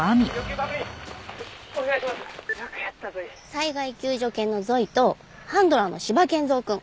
災害救助犬のゾイとハンドラーの斯波健三くん。